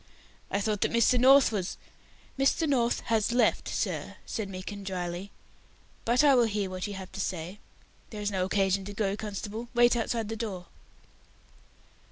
"I thought that Mr. North was " "Mr. North has left, sir," said Meekin, dryly, "but I will hear what you have to say. There is no occasion to go, constable; wait outside the door."